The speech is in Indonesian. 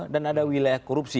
dan ada wilayah korupsi